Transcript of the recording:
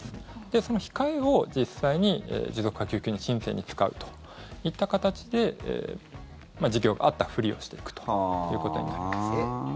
で、その控えを実際に持続化給付金の申請に使うといった形で事業があったふりをしていくということになります。